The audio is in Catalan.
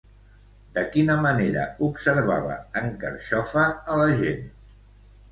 De quina manera observava en Carxofa a la gent?